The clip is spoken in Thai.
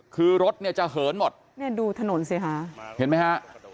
คือรถเนี่ยจะเหินหมดเนี่ยดูถนนสิคะเห็นไหมฮะ